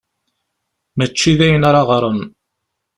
Mačči d ayen ara ɣren.